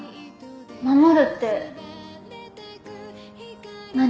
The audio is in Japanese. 守るって何？